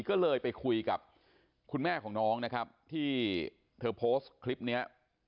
ก็เลยไปคุยกับคุณแม่ของน้องนะครับที่เธอโพสต์คลิปนี้